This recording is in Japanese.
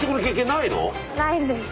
ないんです。